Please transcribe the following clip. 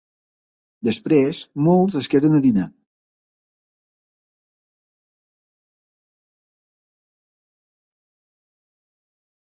Després molts es queden a dinar.